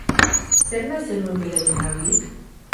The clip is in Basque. Zer nahi zenuen beraiengandik?